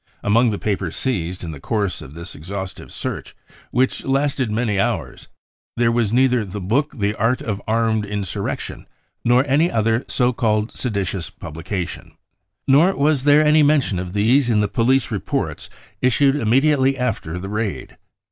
Among the papers seized in the course of this exhaustive search, * which lasted many hours, there was neither the book The Art of Armed Insurrection nor any other so called XOO BROWN BOOK OF THE HITLER TERROR seditious publication. Nor was there any mention of these in the police reports issued immediately after the raid.